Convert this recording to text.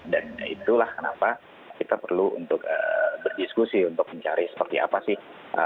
dan itulah kenapa kita perlu untuk berdiskusi untuk mencari seperti apa sih